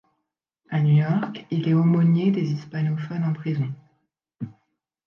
À New York, il est aumônier des hispanophones en prison.